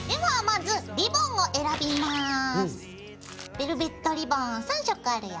ベルベットリボン３色あるよ。